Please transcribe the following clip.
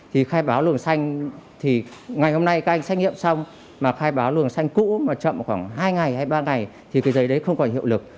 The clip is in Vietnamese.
thì khai báo luồng xanh thì ngày hôm nay các anh xét nghiệm xong mà khai báo luồng xanh cũ mà chậm khoảng hai ngày hay ba ngày thì cái giấy đấy không còn hiệu lực